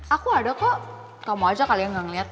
aku ada kok kamu aja kali yang gak ngeliat